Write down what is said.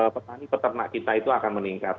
petani peternak kita itu akan meningkat